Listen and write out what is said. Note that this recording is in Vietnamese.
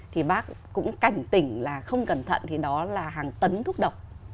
thì bác cũng cảnh tỉnh là không cẩn thận thì đó là hàng tấn thuốc độc